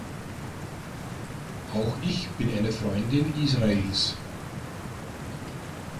Auch ich bin eine Freundin Israels.